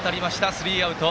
スリーアウト。